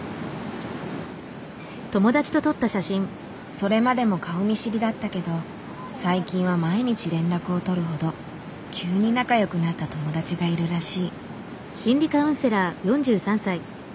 それまでも顔見知りだったけど最近は毎日連絡を取るほど急に仲良くなった友達がいるらしい。